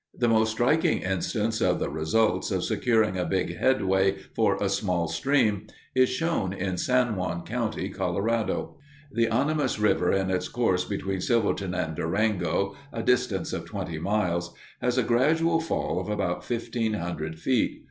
The most striking instance of the results of securing a big headway for a small stream is shown in San Juan County, Colorado. The Animus River in its course between Silverton and Durango, a distance of twenty miles, has a gradual fall of about fifteen hundred feet.